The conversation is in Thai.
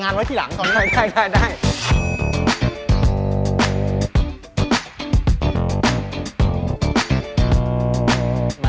งานไว้ที่หลังก่อน